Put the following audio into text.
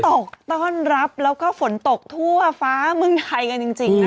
ตกต้อนรับแล้วก็ฝนตกทั่วฟ้าเมืองไทยกันจริง